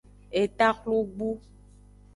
Eta xlogbu.